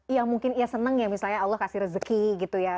iya mungkin iya senang ya misalnya allah kasih rezeki gitu ya